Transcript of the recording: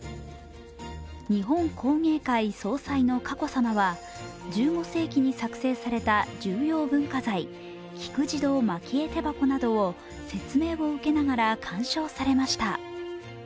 日本工芸会総裁の佳子さまは、１５世紀に作成された重要文化財・菊慈童蒔絵手箱などを説明を受けながら鑑賞されました。